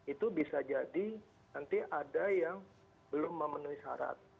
itu bisa jadi nanti ada yang belum memenuhi syarat